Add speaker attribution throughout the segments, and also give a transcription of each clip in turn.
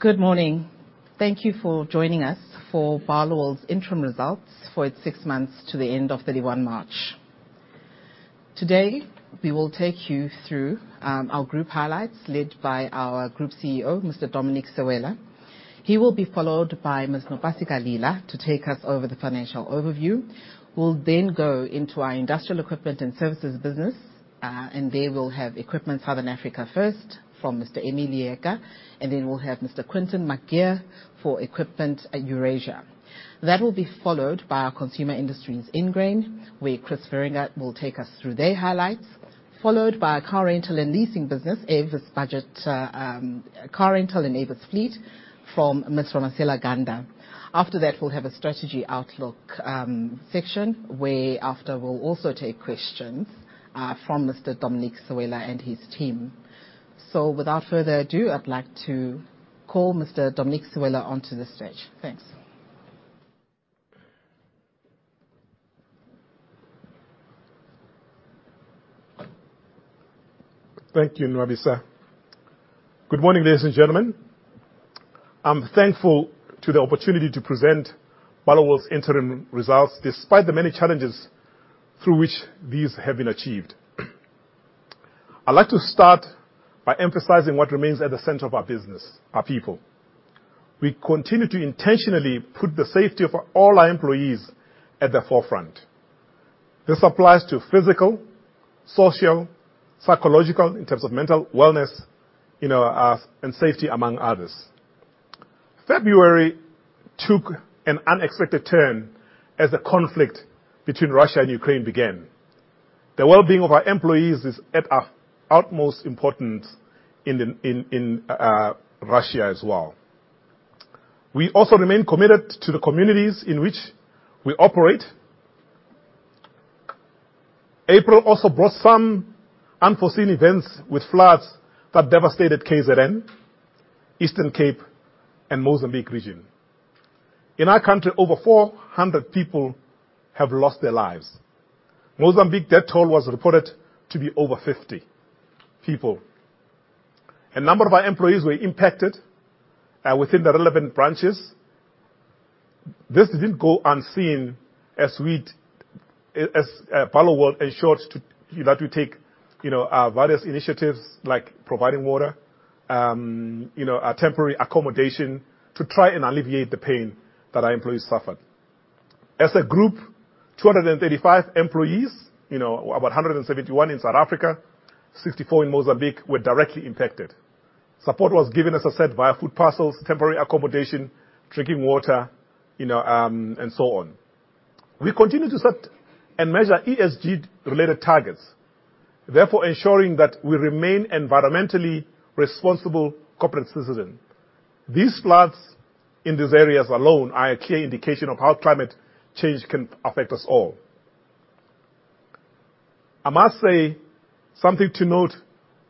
Speaker 1: Good morning. Thank you for joining us for Barloworld's interim results for its six months to the end of 31 March. Today, we will take you through our group highlights led by our group CEO, Mr. Dominic Sewela. He will be followed by Ms. Nopasika Lila to take us through the financial overview. We'll then go into our industrial equipment and services business, and they will have equipment Southern Africa first from Mr. Emmy Leeka, and then we'll have Mr. Quinton McGeer for equipment Eurasia. That will be followed by our consumer industries Ingrain, where Chris Wierenga will take us through their highlights, followed by car rental and leasing business, Avis Budget car rental and fleet from Ms. Ramasela Ganda. After that, we'll have a strategy outlook section, whereafter we'll also take questions from Mr. Dominic Sewela and his team. Without further ado, I'd like to call Mr. Dominic Sewela onto the stage. Thanks.
Speaker 2: Thank you, Nopasika. Good morning, ladies and gentlemen. I'm thankful to the opportunity to present Barloworld's interim results despite the many challenges through which these have been achieved. I'd like to start by emphasizing what remains at the center of our business, our people. We continue to intentionally put the safety of all our employees at the forefront. This applies to physical, social, psychological, in terms of mental wellness, you know, and safety among others. February took an unexpected turn as the conflict between Russia and Ukraine began. The well-being of our employees is at our utmost importance in Russia as well. We also remain committed to the communities in which we operate. April also brought some unforeseen events with floods that devastated KZN, Eastern Cape and Mozambique region. In our country, over 400 people have lost their lives. Mozambique death toll was reported to be over 50 people. A number of our employees were impacted within the relevant branches. This didn't go unseen as Barloworld ensured that we take you know various initiatives like providing water you know a temporary accommodation to try and alleviate the pain that our employees suffered. As a group, 235 employees you know about 171 in South Africa, 64 in Mozambique, were directly impacted. Support was given, as I said, via food parcels, temporary accommodation, drinking water you know and so on. We continue to set and measure ESG related targets, therefore ensuring that we remain environmentally responsible corporate citizen. These floods in these areas alone are a clear indication of how climate change can affect us all. I must say something to note,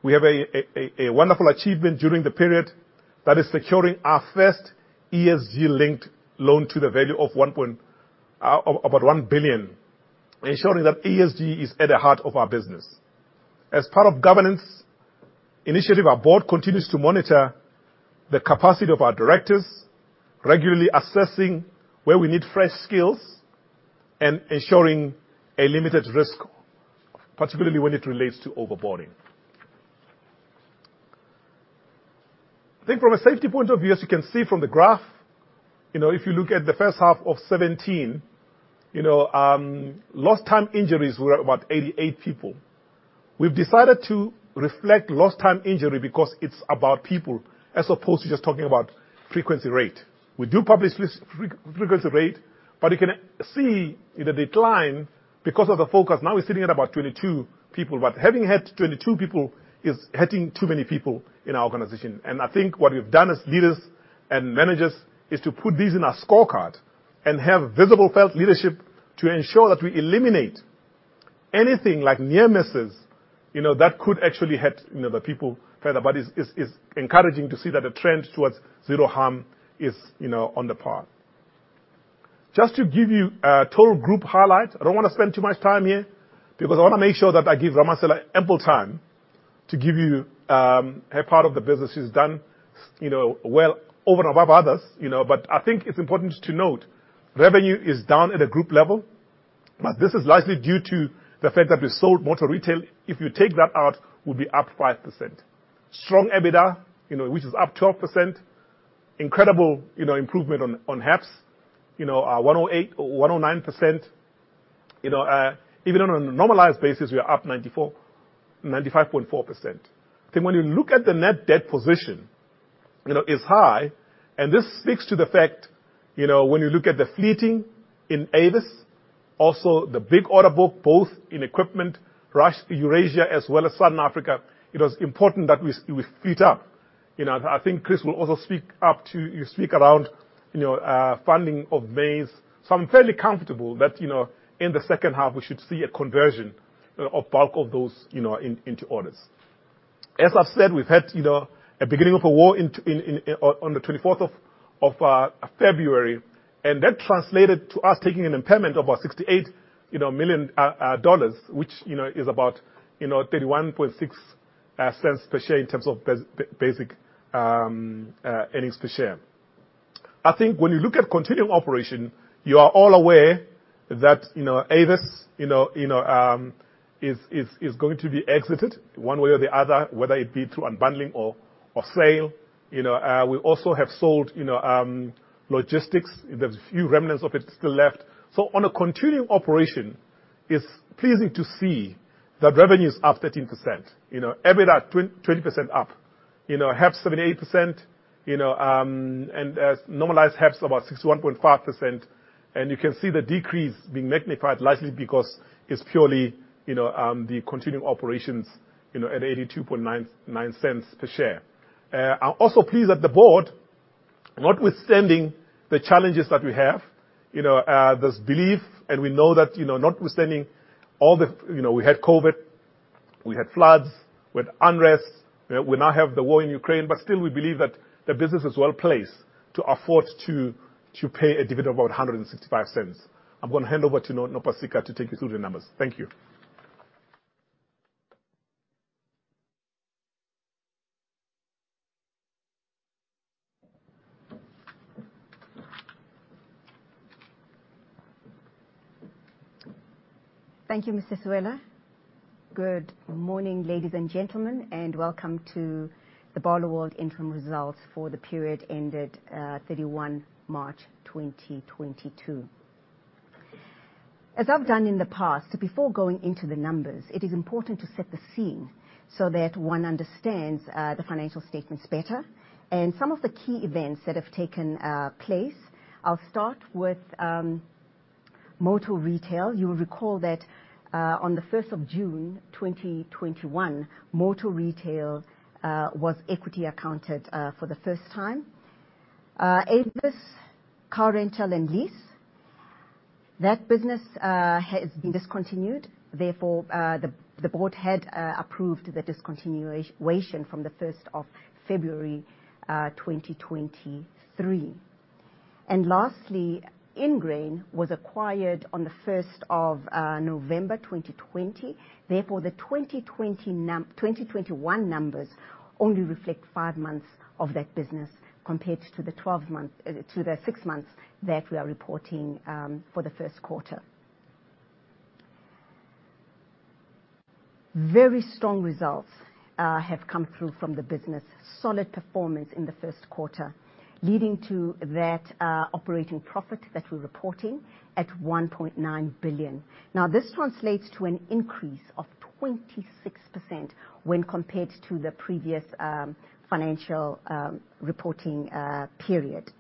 Speaker 2: we have a wonderful achievement during the period that is securing our first ESG-linked loan to the value of about 1 billion, ensuring that ESG is at the heart of our business. As part of governance initiative, our board continues to monitor the capacity of our directors, regularly assessing where we need fresh skills and ensuring a limited risk, particularly when it relates to overboarding. I think from a safety point of view, as you can see from the graph, if you look at the first half of 2017, lost time injuries were about 88 people. We've decided to reflect lost time injury because it's about people, as opposed to just talking about frequency rate. We do publish this frequency rate, but you can see the decline because of the focus. Now we're sitting at about 22 people. Having had 22 people is hurting too many people in our organization. I think what we've done as leaders and managers is to put these in our scorecard and have visible felt leadership to ensure that we eliminate anything like near misses, you know, that could actually hurt, you know, the people further. It is encouraging to see that the trend towards zero harm is, you know, on the path. Just to give you a total group highlight, I don't wanna spend too much time here because I wanna make sure that I give Ramasela ample time to give you her part of the business she's done, you know, well over and above others, you know. I think it's important to note revenue is down at a group level, but this is largely due to the fact that we sold Motor Retail. If you take that out, we'll be up 5%. Strong EBITDA, you know, which is up 12%. Incredible, you know, improvement on HEPS, you know, 108-109%. You know, even on a normalized basis, we are up 94-95.4%. Then when you look at the net debt position, you know, it's high, and this speaks to the fact, you know, when you look at the fleet in Avis, also the big order book, both in equipment, Eurasia as well as Southern Africa, it was important that we fleet up. You know, I think Chris will also speak around, you know, funding of maize. I'm fairly comfortable that, you know, in the second half we should see a conversion of bulk of those, you know, into orders. As I've said, we've had, you know, a beginning of a war in, on the 24th of February, and that translated to us taking an impairment of about $68 million which, you know, is about, you know, 0.316 per share in terms of basic earnings per share. I think when you look at continuing operations, you are all aware that, you know, Avis, you know, is going to be exited one way or the other, whether it be through unbundling or sale. You know, we also have sold, you know, logistics. There's a few remnants of it still left. On a continuing operation, it's pleasing to see that revenue's up 13%. You know, EBITDA 20% up. You know, HEPS 78%, you know, and as normalized HEPS about 61.5%, and you can see the decrease being magnified largely because it's purely, you know, the continuing operations, you know, at 0.8299 per share. I'm also pleased that the board, notwithstanding the challenges that we have, you know, there's belief, and we know that, you know, notwithstanding all the. You know, we had COVID, we had floods, we had unrest, we now have the war in Ukraine, but still we believe that the business is well placed to afford to pay a dividend of about 1.65. I'm gonna hand over to Nopasika Lila to take you through the numbers. Thank you.
Speaker 3: Thank you, Mr. Sewela. Good morning, ladies and gentlemen, and welcome to the Barloworld interim results for the period ended 31 March 2022. As I've done in the past, before going into the numbers, it is important to set the scene so that one understands the financial statements better and some of the key events that have taken place. I'll start with Motor Retail. You will recall that on 1 June 2021, Motor Retail was equity accounted for the first time. Avis car rental and lease, that business, has been discontinued, therefore the board had approved the discontinuation from 1 February 2023. Lastly, Ingrain was acquired on the 1st of November, 2020. Therefore, the 2021 numbers only reflect five months of that business compared to the 12 months to the six months that we are reporting for the first quarter. Very strong results have come through from the business. Solid performance in the first quarter, leading to that operating profit that we're reporting at 1.9 billion. Now, this translates to an increase of 26% when compared to the previous financial reporting period.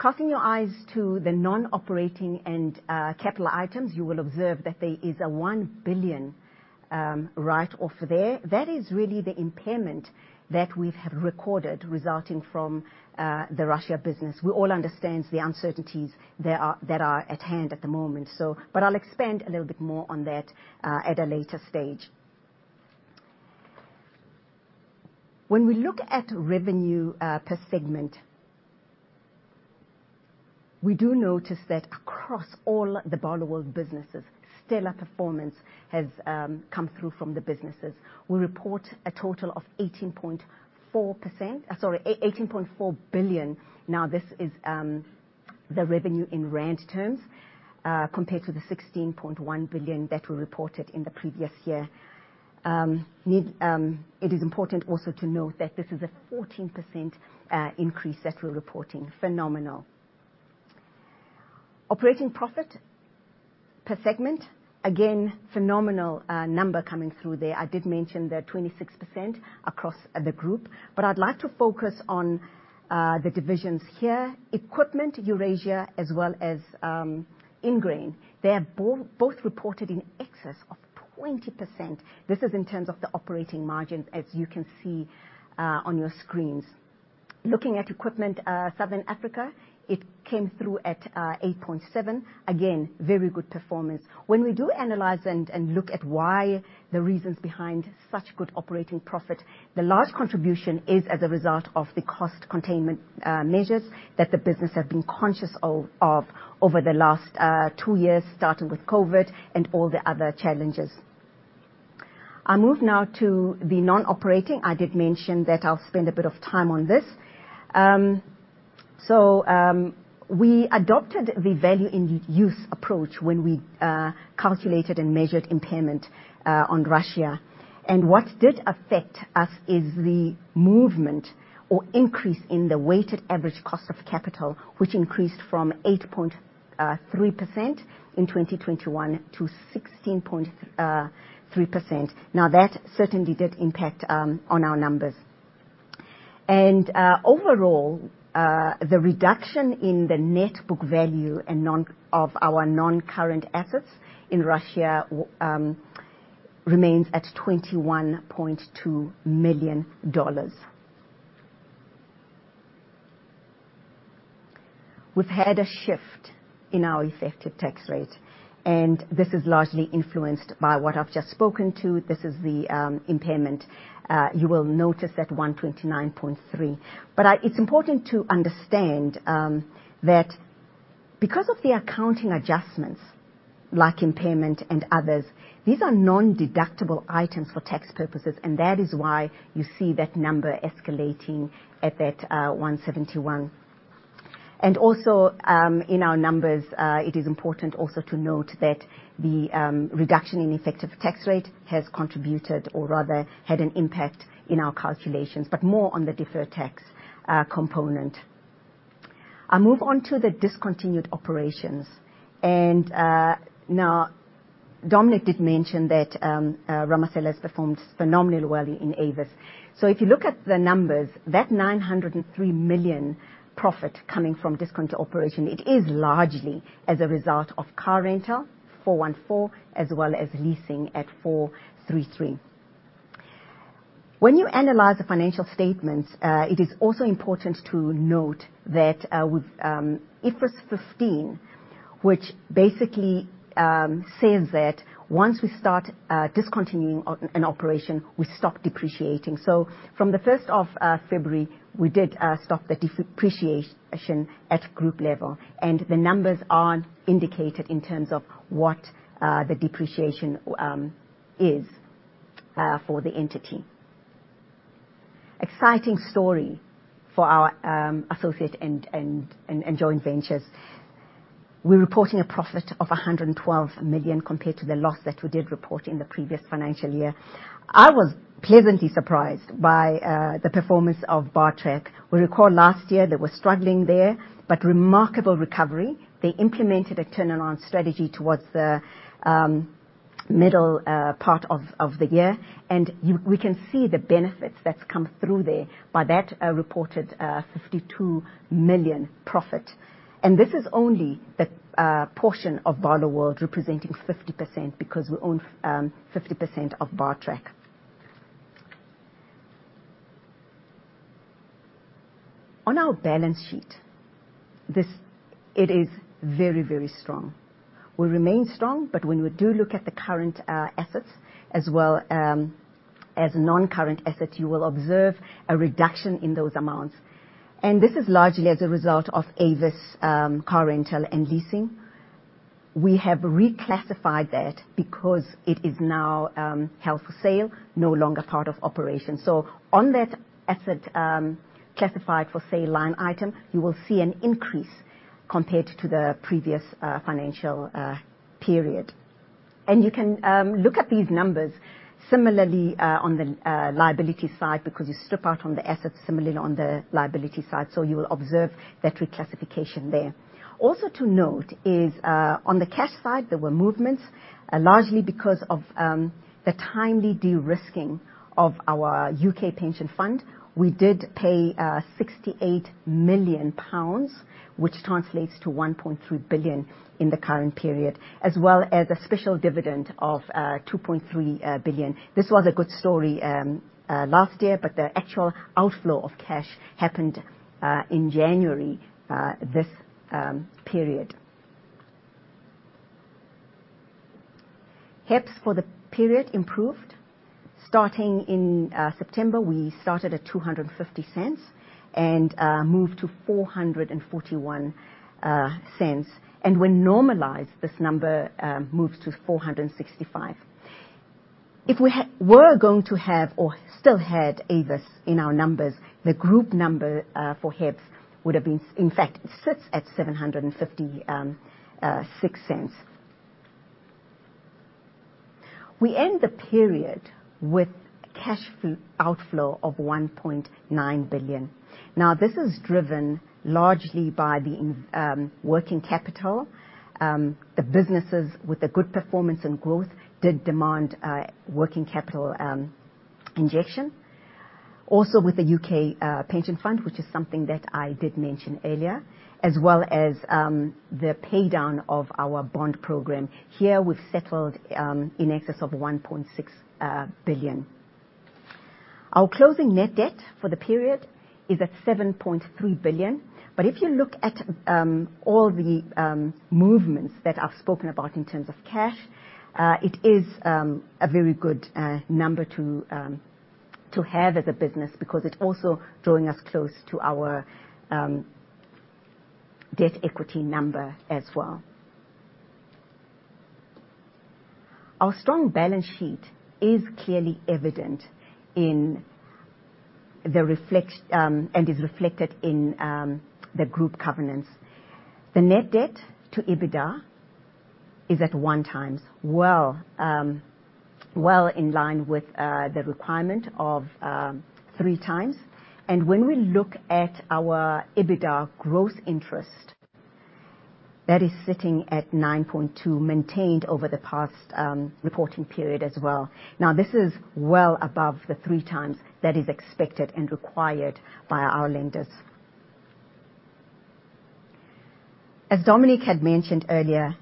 Speaker 3: Casting your eyes to the non-operating and capital items, you will observe that there is a 1 billion write-off there. That is really the impairment that we have recorded resulting from the Russia business. We all understand the uncertainties that are at hand at the moment, but I'll expand a little bit more on that at a later stage. When we look at revenue per segment, we do notice that across all the Barloworld businesses, stellar performance has come through from the businesses. We report a total of 18.4 billion. Now this is the revenue in rand terms compared to the 16.1 billion that we reported in the previous year. It is important also to note that this is a 14% increase that we're reporting. Phenomenal. Operating profit per segment, again, phenomenal number coming through there. I did mention the 26% across the group, but I'd like to focus on the divisions here. Equipment Eurasia, as well as Ingrain, they have both reported in excess of 20%. This is in terms of the operating margins as you can see on your screens. Looking at Equipment Southern Africa, it came through at 8.7%. Again, very good performance. When we do analyze and look at why the reasons behind such good operating profit, the large contribution is as a result of the cost containment measures that the business has been conscious of over the last two years, starting with COVID and all the other challenges. I move now to the non-operating. I did mention that I'll spend a bit of time on this. We adopted the value in use approach when we calculated and measured impairment on Russia. What did affect us is the movement or increase in the weighted average cost of capital, which increased from 8.3% in 2021 to 16.3%. Now, that certainly did impact on our numbers. Overall, the reduction in the net book value of our non-current assets in Russia remains at $21.2 million. We've had a shift in our effective tax rate, and this is largely influenced by what I've just spoken to. This is the impairment. You will notice that 129.3%. But it's important to understand that because of the accounting adjustments, like impairment and others, these are non-deductible items for tax purposes, and that is why you see that number escalating at that 171%. Also, in our numbers, it is important also to note that the reduction in effective tax rate has contributed or rather had an impact in our calculations, but more on the deferred tax component. I move on to the discontinued operations. Now Dominic did mention that Ramasela has performed phenomenally well in Avis. So if you look at the numbers, that 903 million profit coming from discontinued operation, it is largely as a result of car rental, 414 million, as well as leasing at 433 million. When you analyze the financial statements, it is also important to note that with IFRS 15, which basically says that once we start discontinuing an operation, we stop depreciating. From the 1st of February, we did stop the depreciation at group level, and the numbers aren't indicated in terms of what the depreciation is for the entity. Exciting story for our associate and joint ventures. We're reporting a profit of 112 million compared to the loss that we did report in the previous financial year. I was pleasantly surprised by the performance of Bartrac. We recall last year they were struggling there, but remarkable recovery. They implemented a turn-around strategy towards the middle part of the year, and we can see the benefits that's come through there by that reported 52 million profit. This is only the portion of Barloworld representing 50% because we own 50% of Bartrac. On our balance sheet, it is very, very strong. We remain strong, but when we do look at the current assets as well, as non-current assets, you will observe a reduction in those amounts. This is largely as a result of Avis car rental and leasing. We have reclassified that because it is now held for sale, no longer part of operations. On that asset classified for sale line item, you will see an increase compared to the previous financial period. You can look at these numbers similarly on the liability side, because you strip out on the assets similarly on the liability side. You will observe that reclassification there. Also to note is on the cash side, there were movements largely because of the timely de-risking of our U.K. pension fund. We did pay 68 million pounds, which translates to 1.3 billion in the current period, as well as a special dividend of 2.3 billion. This was a good story last year, but the actual outflow of cash happened in January this period. HEPS for the period improved. Starting in September, we started at 2.50 and moved to 4.41 cents. When normalized, this number moves to 4.65. If we were going to have or still had Avis in our numbers, the group number for HEPS would have been. In fact, it sits at 7.56. We end the period with cash outflow of 1.9 billion. Now, this is driven largely by the working capital. The businesses with a good performance and growth did demand a working capital injection. Also with the UK pension fund, which is something that I did mention earlier, as well as the pay down of our bond program. Here we've settled in excess of 1.6 billion. Our closing net debt for the period is at 7.3 billion. If you look at all the movements that I've spoken about in terms of cash, it is a very good number to have as a business because it's also drawing us close to our debt equity number as well. Our strong balance sheet is clearly evident and is reflected in the group governance. The Net Debt to EBITDA is at 1x, in line with the requirement of 3x. When we look at our EBITDA growth interest, that is sitting at 9.2, maintained over the past reporting period as well. Now, this is well above the 3x that is expected and required by our lenders. As Dominic had mentioned earlier,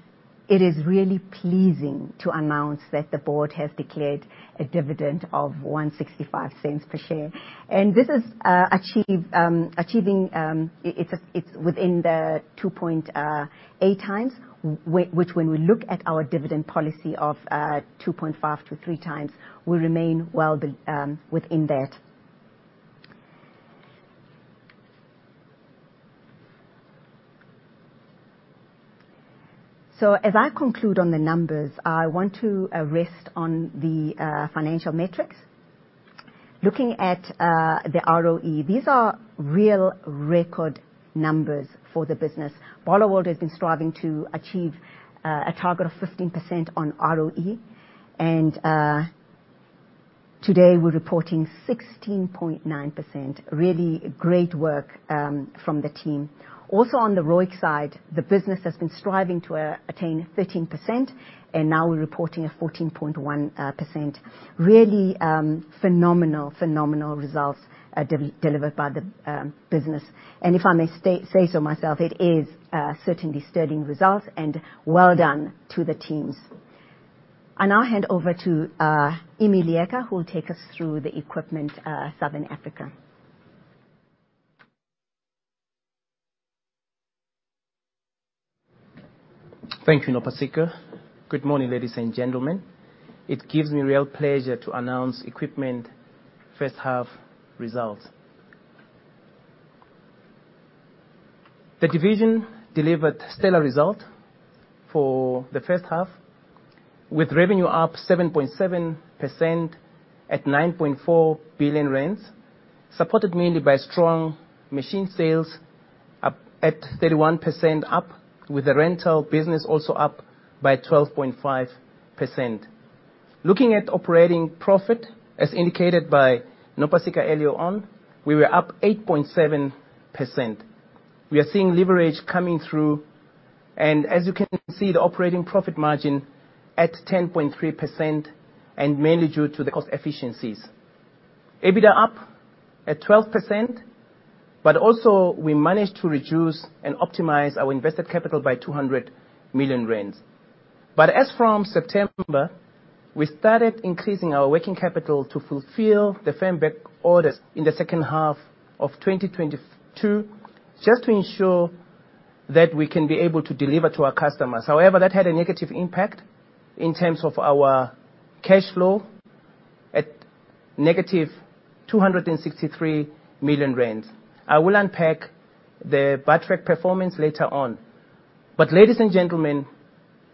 Speaker 3: it is really pleasing to announce that the board has declared a dividend of 1.65 per share. This is achieving. It's within the 2.8x, which when we look at our dividend policy of 2.5x-3x, we remain well within that. As I conclude on the numbers, I want to rest on the financial metrics. Looking at the ROE, these are real record numbers for the business. Barloworld has been striving to achieve a target of 15% on ROE, and today we're reporting 16.9%. Really great work from the team. Also on the ROIC side, the business has been striving to attain 13%, and now we're reporting a 14.1%. Really phenomenal results delivered by the business. If I may say so myself, it is certainly sterling results, and well done to the teams. I now hand over to Emmy Leeka, who will take us through the Equipment Southern Africa.
Speaker 4: Thank you, Nopasika. Good morning, ladies and gentlemen. It gives me real pleasure to announce Equipment first-half results. The division delivered stellar results for the first half, with revenue up 7.7% at 9.4 billion rand, supported mainly by strong machine sales up 31%, with the rental business also up by 12.5%. Looking at operating profit, as indicated by Nopasika earlier on, we were up 8.7%. We are seeing leverage coming through. As you can see, the operating profit margin at 10.3% and mainly due to the cost efficiencies. EBITDA up 12%, but also we managed to reduce and optimize our invested capital by 200 million rand. As from September, we started increasing our working capital to fulfill the firm back orders in the second half of 2022, just to ensure that we can be able to deliver to our customers. However, that had a negative impact in terms of our cash flow at negative 263 million rand. I will unpack the Bartrac performance later on. Ladies and gentlemen,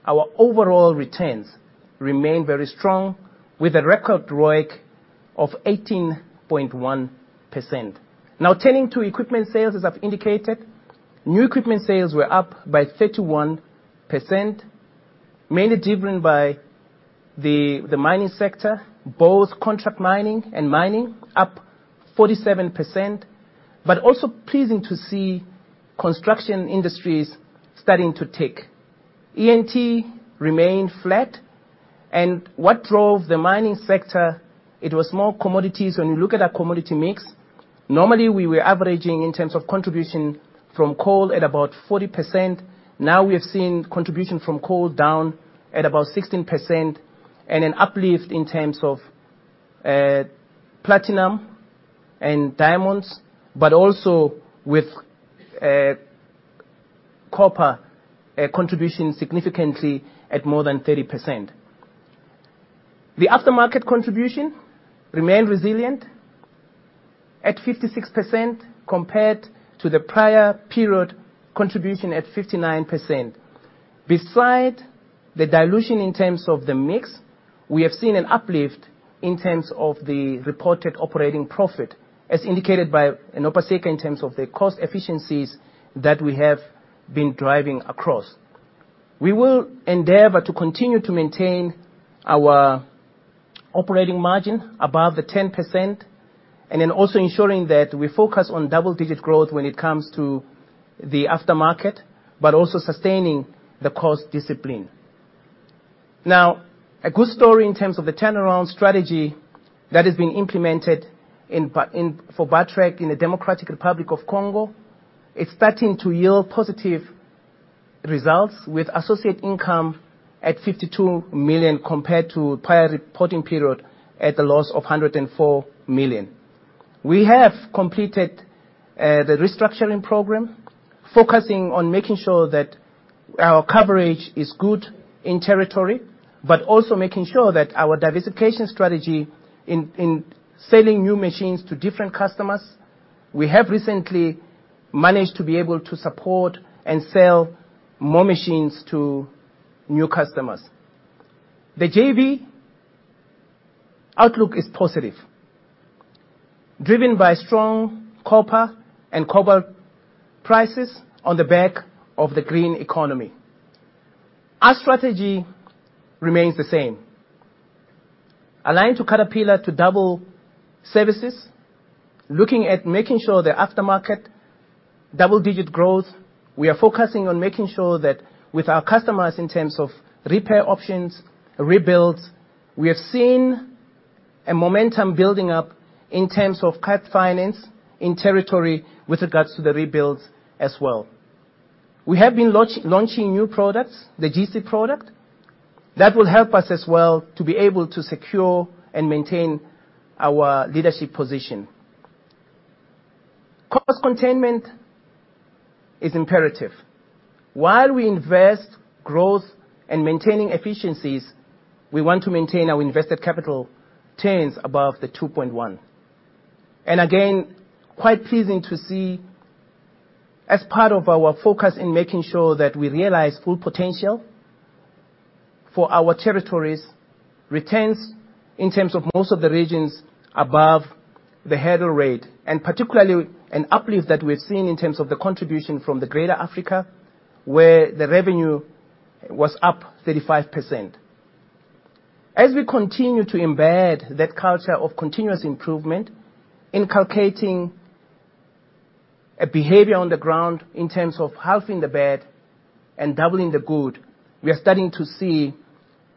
Speaker 4: our overall returns remain very strong with a record ROIC of 18.1%. Now turning to equipment sales, as I've indicated, new equipment sales were up by 31%, mainly driven by the mining sector, both contract mining and mining up 47%, but also pleasing to see construction industries starting to take. E&T remained flat. What drove the mining sector, it was more commodities. When you look at our commodity mix, normally we were averaging in terms of contribution from coal at about 40%. Now we have seen contribution from coal down at about 16% and an uplift in terms of platinum and diamonds, but also with copper contribution significantly at more than 30%. The aftermarket contribution remained resilient at 56% compared to the prior period contribution at 59%. Besides the dilution in terms of the mix, we have seen an uplift in terms of the reported operating profit, as indicated by Nopasika in terms of the cost efficiencies that we have been driving across. We will endeavor to continue to maintain our operating margin above the 10%, and then also ensuring that we focus on double-digit growth when it comes to the aftermarket, but also sustaining the cost discipline. Now, a good story in terms of the turnaround strategy that is being implemented for Bartrac in the Democratic Republic of the Congo, it's starting to yield positive results with associate income at 52 million compared to prior reporting period at a loss of 104 million. We have completed the restructuring program, focusing on making sure that our coverage is good in territory, but also making sure that our diversification strategy in selling new machines to different customers. We have recently managed to be able to support and sell more machines to new customers. The JV outlook is positive, driven by strong copper and cobalt prices on the back of the green economy. Our strategy remains the same. Aligned to Caterpillar to double services, looking at making sure the aftermarket double-digit growth. We are focusing on making sure that with our customers, in terms of repair options, rebuilds, we have seen a momentum building up in terms of Cat Financial in territory with regards to the rebuilds as well. We have been launching new products, the GC product, that will help us as well to be able to secure and maintain our leadership position. Cost containment is imperative. While we invest in growth and maintaining efficiencies, we want to maintain our invested capital returns above the 2.1. Again, quite pleasing to see, as part of our focus in making sure that we realize full potential for our territories, returns in terms of most of the regions above the hurdle rate, and particularly an uplift that we're seeing in terms of the contribution from the Greater Africa, where the revenue was up 35%. As we continue to embed that culture of continuous improvement, inculcating a behavior on the ground in terms of halving the bad and doubling the good, we are starting to see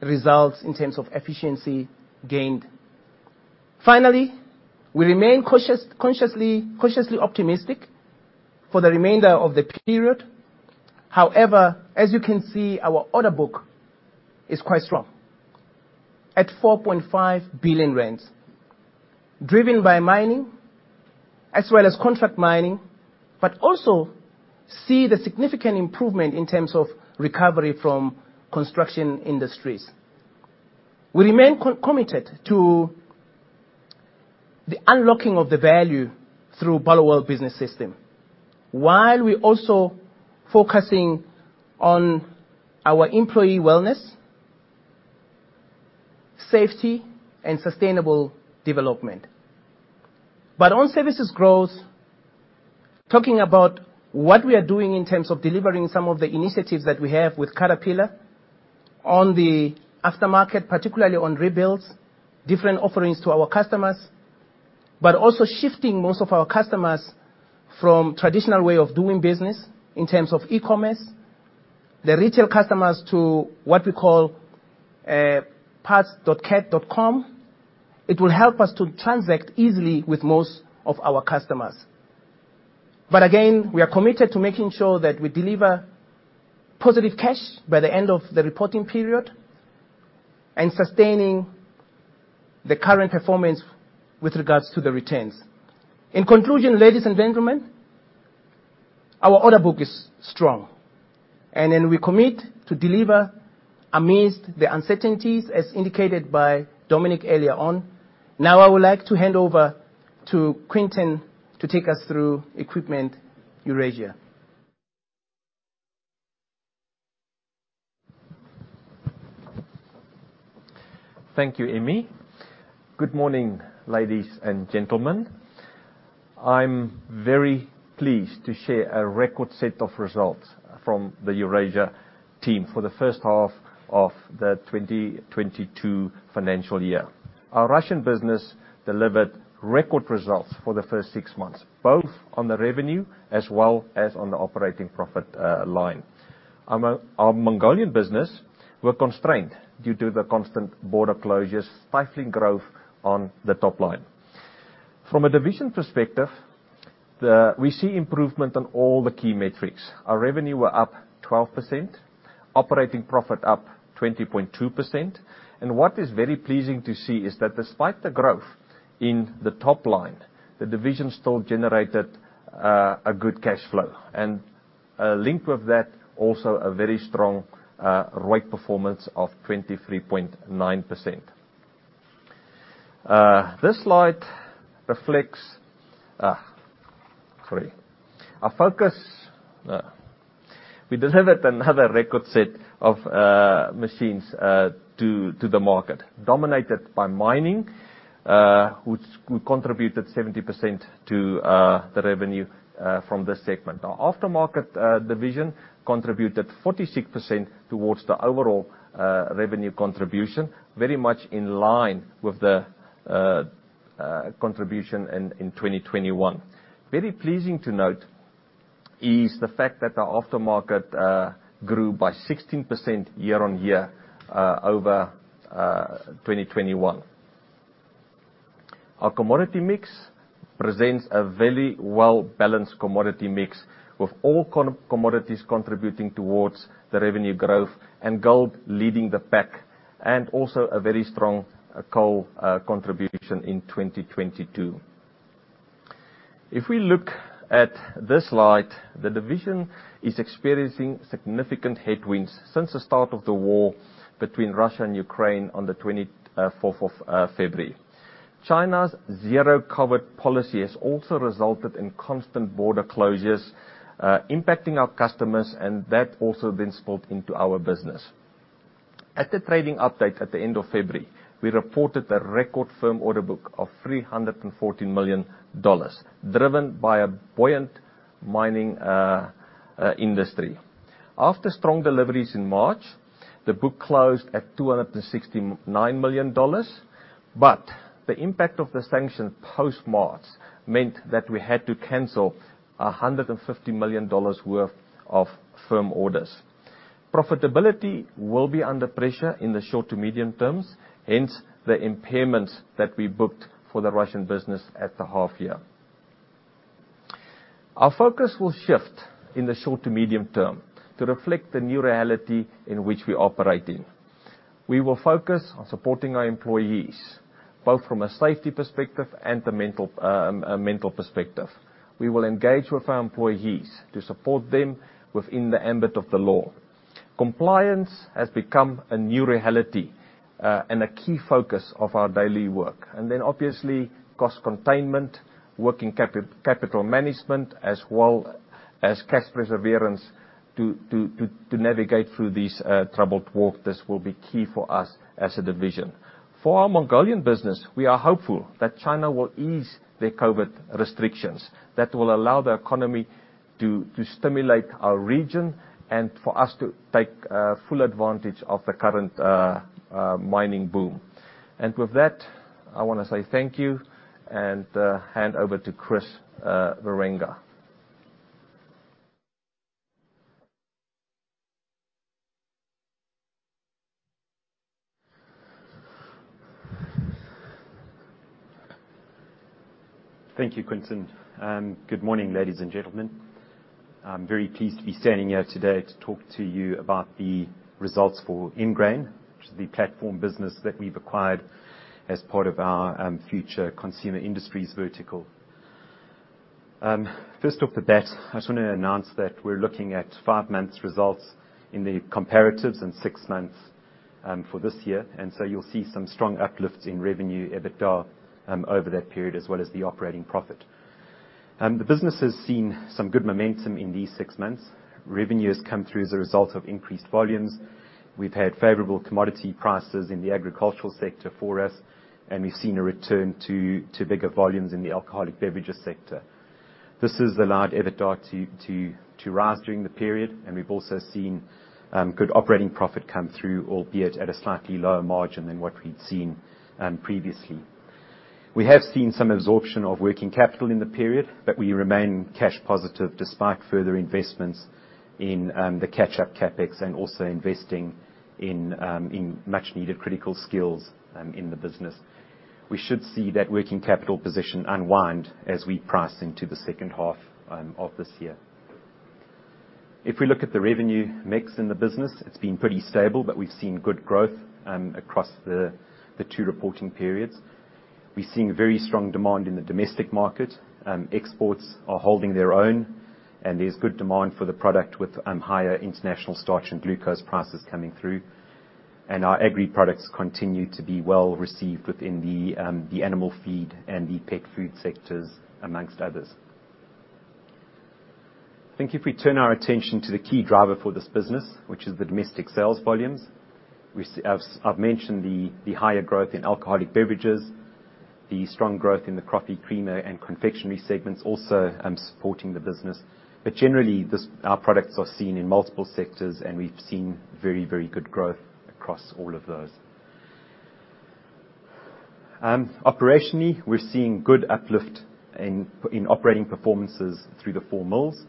Speaker 4: results in terms of efficiency gained. Finally, we remain consciously cautiously optimistic for the remainder of the period. However, as you can see, our order book is quite strong at 4.5 billion rand, driven by mining as well as contract mining, but also see the significant improvement in terms of recovery from construction industries. We remain committed to the unlocking of the value through Barloworld Business System while we also focusing on our employee wellness, safety, and sustainable development. On services growth, talking about what we are doing in terms of delivering some of the initiatives that we have with Caterpillar on the aftermarket, particularly on rebuilds, different offerings to our customers, but also shifting most of our customers from traditional way of doing business in terms of e-commerce, the retail customers to what we call, parts.cat.com. It will help us to transact easily with most of our customers. But again, we are committed to making sure that we deliver positive cash by the end of the reporting period, and sustaining the current performance with regards to the returns. In conclusion, ladies and gentlemen, our order book is strong, and then we commit to deliver amidst the uncertainties as indicated by Dominic earlier on. Now I would like to hand over to Quinton to take us through Equipment Eurasia.
Speaker 5: Thank you, Emmy. Good morning, ladies and gentlemen. I'm very pleased to share a record set of results from the Eurasia team for the first half of the 2022 financial year. Our Russian business delivered record results for the first six months, both on the revenue as well as on the operating profit line. Our Mongolian business were constrained due to the constant border closures, stifling growth on the top line. From a division perspective, we see improvement on all the key metrics. Our revenue were up 12%, operating profit up 20.2%. What is very pleasing to see is that despite the growth in the top line, the division still generated a good cash flow, and linked with that, also a very strong ROIC performance of 23.9%. This slide reflects our focus. We delivered another record set of machines to the market, dominated by mining, which contributed 70% to the revenue from this segment. Our aftermarket division contributed 46% towards the overall revenue contribution, very much in line with the contribution in 2021. Very pleasing to note is the fact that our aftermarket grew by 16% year-on-year over 2021. Our commodity mix presents a very well-balanced commodity mix, with all commodities contributing towards the revenue growth, and gold leading the pack, and also a very strong coal contribution in 2022. If we look at this slide, the division is experiencing significant headwinds since the start of the war between Russia and Ukraine on the 24th of February. China's zero-COVID policy has also resulted in constant border closures, impacting our customers, and that has also spilled into our business. At the trading update at the end of February, we reported a record firm order book of $314 million, driven by a buoyant mining industry. After strong deliveries in March, the book closed at $269 million, but the impact of the sanctions post-March meant that we had to cancel $150 million worth of firm orders. Profitability will be under pressure in the short to medium terms, hence the impairments that we booked for the Russian business at the half year. Our focus will shift in the short to medium term to reflect the new reality in which we operate in. We will focus on supporting our employees, both from a safety perspective and a mental perspective. We will engage with our employees to support them within the ambit of the law. Compliance has become a new reality, and a key focus of our daily work. Then obviously cost containment, working capital management, as well as cash preservation to navigate through these troubled waters will be key for us as a division. For our Mongolian business, we are hopeful that China will ease their COVID restrictions that will allow the economy to stimulate our region and for us to take full advantage of the current mining boom. With that, I wanna say thank you and hand over to Chris Wierenga.
Speaker 6: Thank you, Quinton. Good morning, ladies and gentlemen. I'm very pleased to be standing here today to talk to you about the results for Ingrain, which is the platform business that we've acquired as part of our future consumer industries vertical. Right off the bat, I just wanna announce that we're looking at five-month results in the comparatives and six months for this year. You'll see some strong uplifts in revenue EBITDA over that period as well as the operating profit. The business has seen some good momentum in these six months. Revenue has come through as a result of increased volumes. We've had favorable commodity prices in the agricultural sector for us, and we've seen a return to bigger volumes in the alcoholic beverages sector. This has allowed EBITDA to rise during the period, and we've also seen good operating profit come through, albeit at a slightly lower margin than what we'd seen previously. We have seen some absorption of working capital in the period, but we remain cash positive despite further investments in the catch-up CapEx and also investing in much needed critical skills in the business. We should see that working capital position unwind as we price into the second half of this year. If we look at the revenue mix in the business, it's been pretty stable, but we've seen good growth across the two reporting periods. We're seeing very strong demand in the domestic market. Exports are holding their own, and there's good demand for the product with higher international starch and glucose prices coming through. Our agri products continue to be well-received within the animal feed and the pet food sectors, among others. I think if we turn our attention to the key driver for this business, which is the domestic sales volumes, I've mentioned the higher growth in alcoholic beverages, the strong growth in the coffee creamer and confectionery segments also supporting the business. Generally, our products are seen in multiple sectors, and we've seen very good growth across all of those. Operationally, we're seeing good uplift in operating performances through the four mills.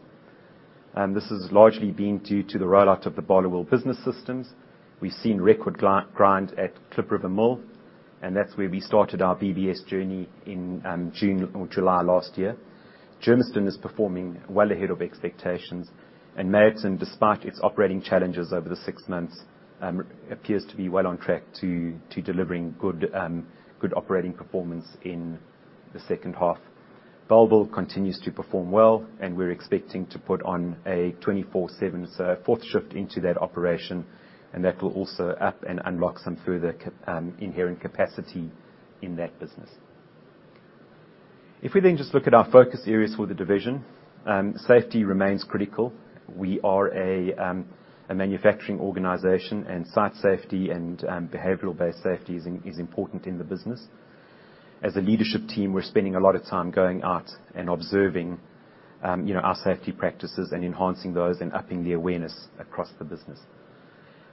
Speaker 6: This has largely been due to the rollout of the Barloworld Business System. We've seen record grind at Klip River Mill, and that's where we started our BBS journey in June or July last year. Germiston is performing well ahead of expectations, and Meyerton, despite its operating challenges over the six months, appears to be well on track to delivering good operating performance in the second half. Bellville continues to perform well, and we're expecting to put on a 24/7, so a fourth shift into that operation, and that will also up and unlock some further inherent capacity in that business. If we then just look at our focus areas for the division, safety remains critical. We are a manufacturing organization, and site safety and behavior-based safety is important in the business. As a leadership team, we're spending a lot of time going out and observing, you know, our safety practices and enhancing those and upping the awareness across the business.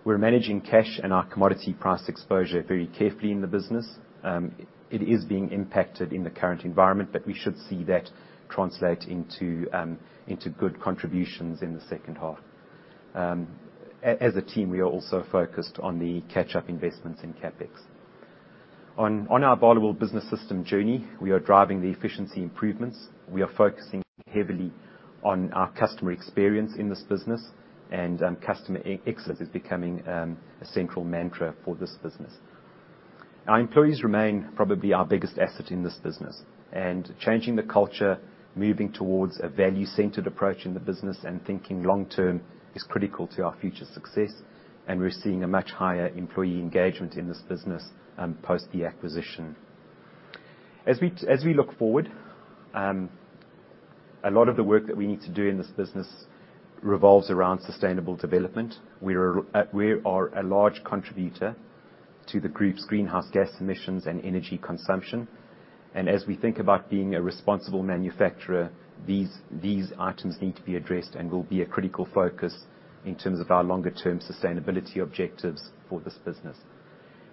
Speaker 6: We're managing cash and our commodity price exposure very carefully in the business. It is being impacted in the current environment, but we should see that translate into good contributions in the second half. As a team, we are also focused on the catch-up investments in CapEx. On our Barloworld Business System journey, we are driving the efficiency improvements. We are focusing heavily on our customer experience in this business, and customer excellence is becoming a central mantra for this business. Our employees remain probably our biggest asset in this business, and changing the culture, moving towards a value-centered approach in the business, and thinking long term is critical to our future success, and we're seeing a much higher employee engagement in this business post the acquisition. As we look forward, a lot of the work that we need to do in this business revolves around sustainable development. We are a large contributor to the group's greenhouse gas emissions and energy consumption. As we think about being a responsible manufacturer, these items need to be addressed and will be a critical focus in terms of our longer term sustainability objectives for this business.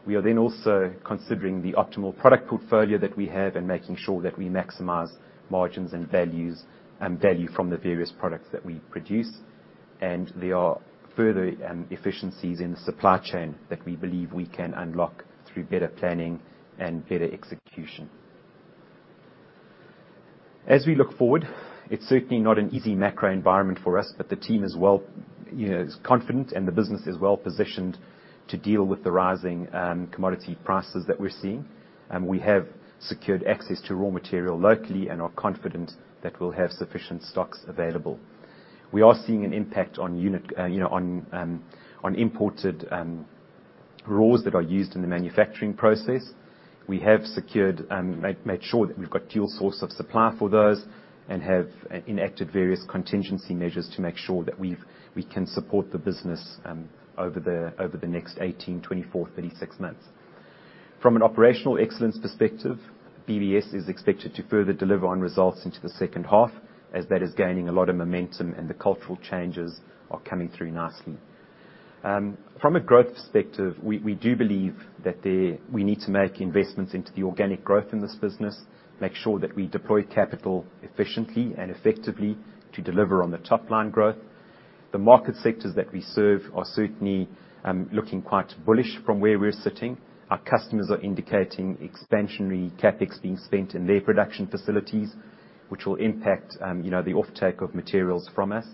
Speaker 6: We are then also considering the optimal product portfolio that we have, and making sure that we maximize margins and value from the various products that we produce. There are further efficiencies in the supply chain that we believe we can unlock through better planning and better execution. As we look forward, it's certainly not an easy macro environment for us, but the team is well, you know, is confident, and the business is well positioned to deal with the rising commodity prices that we're seeing. We have secured access to raw material locally, and are confident that we'll have sufficient stocks available. We are seeing an impact on unit, you know, on imported raws that are used in the manufacturing process. We have made sure that we've got dual source of supply for those, and have enacted various contingency measures to make sure that we can support the business over the next 18, 24, 36 months. From an operational excellence perspective, BBS is expected to further deliver on results into the second half, as that is gaining a lot of momentum, and the cultural changes are coming through nicely. From a growth perspective, we do believe that we need to make investments into the organic growth in this business, make sure that we deploy capital efficiently and effectively to deliver on the top line growth. The market sectors that we serve are certainly looking quite bullish from where we're sitting. Our customers are indicating expansionary CapEx being spent in their production facilities, which will impact you know, the offtake of materials from us.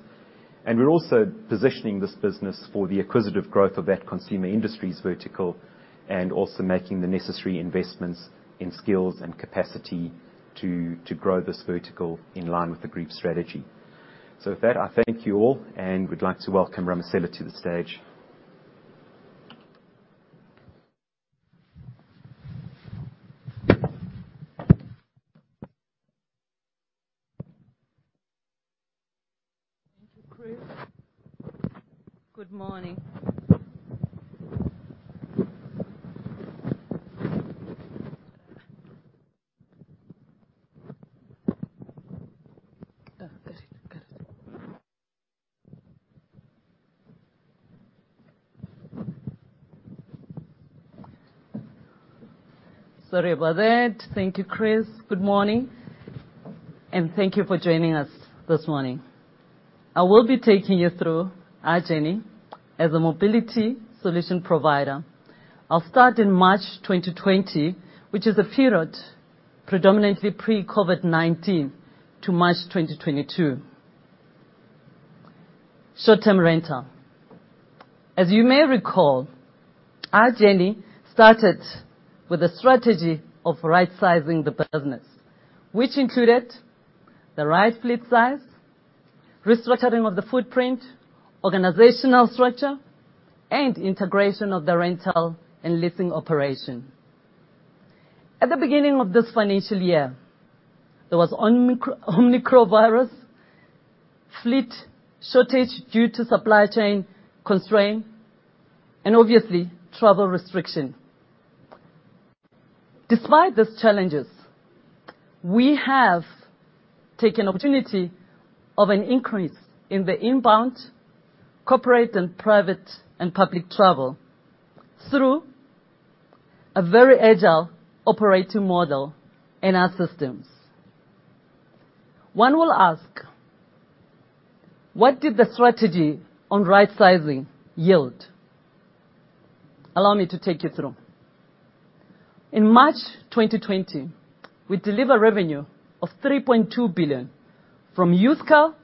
Speaker 6: We're also positioning this business for the acquisitive growth of that consumer industries vertical, and also making the necessary investments in skills and capacity to grow this vertical in line with the group strategy. With that, I thank you all, and would like to welcome Ramasela to the stage.
Speaker 7: Thank you, Chris. Good morning, and thank you for joining us this morning. I will be taking you through our journey as a mobility solution provider. I'll start in March 2020, which is a period predominantly pre-COVID-19, to March 2022. Short-term rental. As you may recall, our journey started with a strategy of rightsizing the business, which included the right fleet size, restructuring of the footprint, organizational structure, and integration of the rental and leasing operation. At the beginning of this financial year, there was Omicron virus, fleet shortage due to supply chain constraint, and obviously travel restriction. Despite these challenges, we have taken opportunity of an increase in the inbound corporate and private and public travel through a very agile operating model in our systems. One will ask, what did the strategy on rightsizing yield? Allow me to take you through. In March 2020, we deliver revenue of 3.2 billion from used car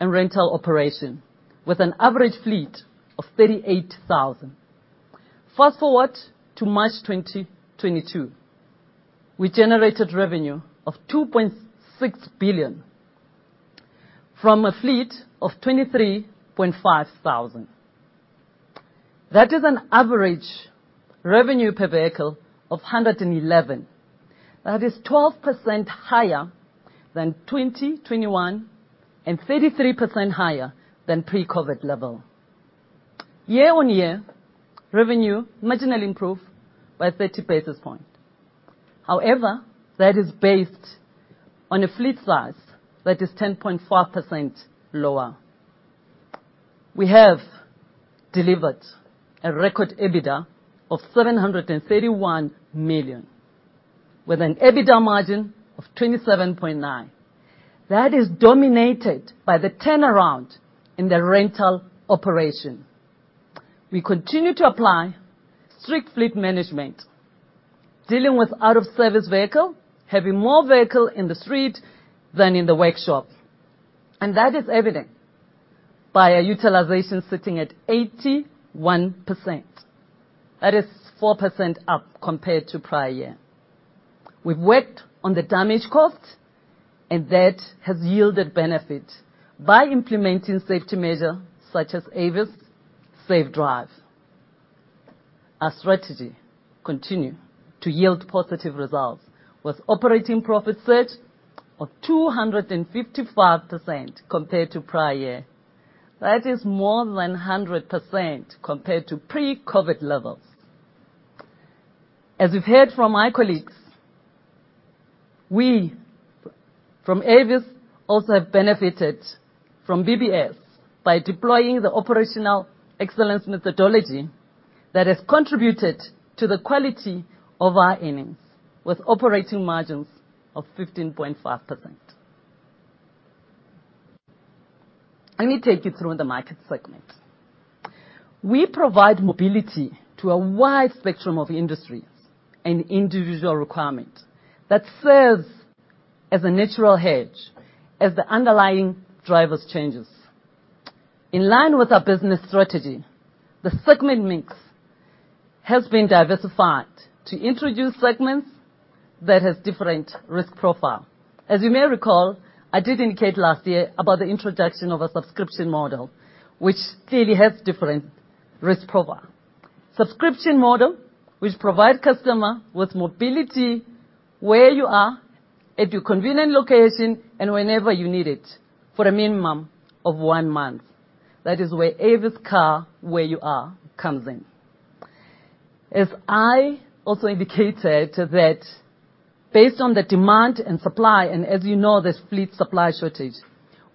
Speaker 7: and rental operation, with an average fleet of 38,000. Fast-forward to March 2022, we generated revenue of 2.6 billion from a fleet of 23,500. That is an average revenue per vehicle of 111. That is 12% higher than 2021, and 33% higher than pre-COVID level. Year-on-year, revenue marginally improved by 30 basis points. However, that is based on a fleet size that is 10.4% lower. We have delivered a record EBITDA of 731 million, with an EBITDA margin of 27.9%. That is dominated by the turnaround in the rental operation. We continue to apply strict fleet management, dealing with out-of-service vehicle, having more vehicle in the street than in the workshop. That is evident by a utilization sitting at 81%. That is 4% up compared to prior year. We've worked on the damage cost, and that has yielded benefit by implementing safety measure such as Avis SafeDrive. Our strategy continue to yield positive results, with operating profit surge of 255% compared to prior year. That is more than 100% compared to pre-COVID levels. As we've heard from my colleagues. We from Avis also have benefited from BBS by deploying the operational excellence methodology that has contributed to the quality of our earnings, with operating margins of 15.5%. Let me take you through the market segment. We provide mobility to a wide spectrum of industries and individual requirement that serves as a natural hedge as the underlying drivers changes. In line with our business strategy, the segment mix has been diversified to introduce segments that has different risk profile. As you may recall, I did indicate last year about the introduction of a subscription model, which clearly has different risk profile. Subscription model, which provide customer with mobility where you are, at your convenient location, and whenever you need it, for a minimum of one month. That is where Avis Car Where You Are comes in. As I also indicated that based on the demand and supply, and as you know, there's fleet supply shortage,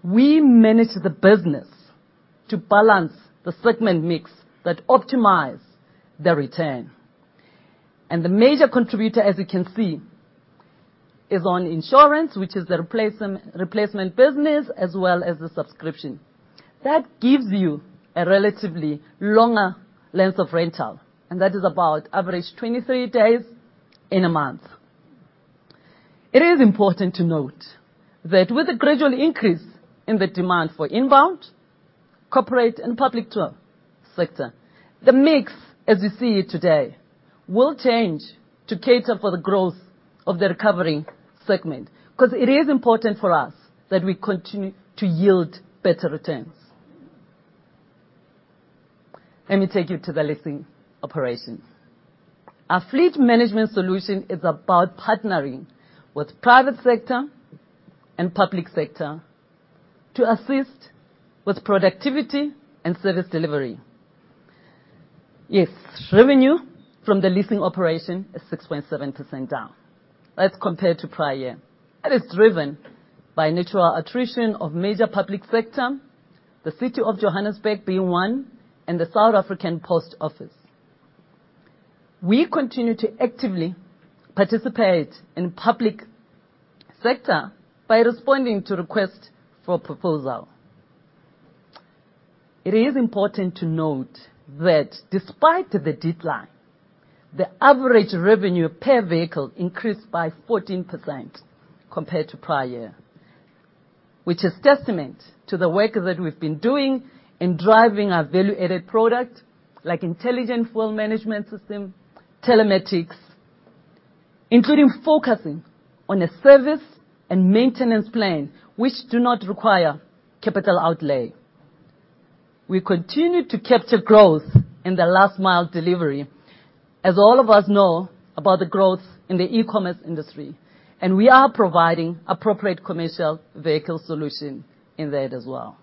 Speaker 7: we manage the business to balance the segment mix that optimize the return. The major contributor, as you can see, is on insurance, which is the replacement business as well as the subscription. That gives you a relatively longer length of rental, and that is about average 23 days in a month. It is important to note that with the gradual increase in the demand for inbound, corporate, and public tour sector, the mix, as you see it today, will change to cater for the growth of the recovery segment. 'Cause it is important for us that we continue to yield better returns. Let me take you to the leasing operations. Our fleet management solution is about partnering with private sector and public sector to assist with productivity and service delivery. Yes, revenue from the leasing operation is 6.7% down, that's compared to prior year. That is driven by natural attrition of major public sector, the City of Johannesburg being one, and the South African Post Office. We continue to actively participate in public sector by responding to request for proposal. It is important to note that despite the decline, the average revenue per vehicle increased by 14% compared to prior year, which is testament to the work that we've been doing in driving our value-added product, like intelligent fuel management system, telematics, including focusing on a service and maintenance plan which do not require capital outlay. We continue to capture growth in the last mile delivery as all of us know about the growth in the e-commerce industry, and we are providing appropriate commercial vehicle solution in that as well.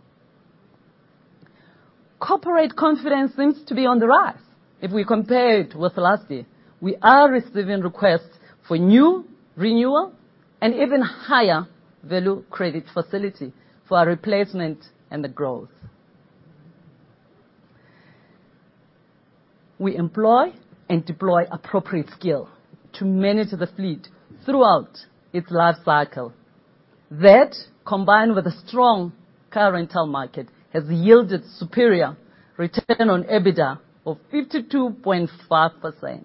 Speaker 7: Corporate confidence seems to be on the rise if we compare it with last year. We are receiving requests for new renewal and even higher value credit facility for our replacement and the growth. We employ and deploy appropriate skill to manage the fleet throughout its life cycle. That, combined with a strong car rental market, has yielded superior return on EBITDA of 52.5%